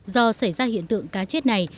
do xảy ra hiện tượng cá chất này